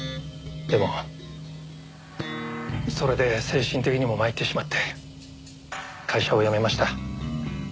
でもそれで精神的にも参ってしまって会社を辞めました。